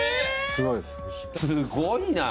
すごいな。